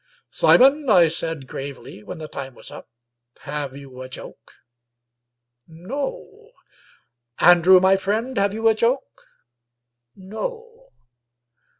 "Simon," I said gravely, when the time was up, " have you a joke? No. Andrew, my friend, have you a joke? No.